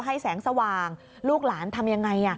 แสงสว่างลูกหลานทำยังไง